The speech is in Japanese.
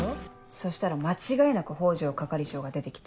そしたら間違いなく北条係長が出て来て。